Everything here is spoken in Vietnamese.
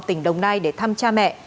tỉnh đồng nai để thăm cha mẹ